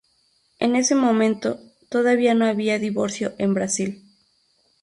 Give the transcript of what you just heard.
En ese momento, todavía no había divorcio en Brasil.